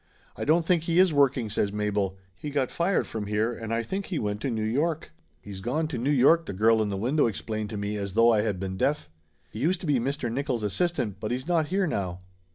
"I don't think he is working!" says Mabel. "He got fired from here and I think he went to New York." "He's gone to New York," the girl in the window explained to me as though I had been deaf. "He used to be Mr. Nickoll's assistant, but he's not here now."